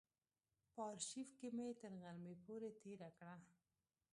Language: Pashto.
په آرشیف کې مې تر غرمې پورې تېره کړه.